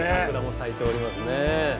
桜も咲いておりますね。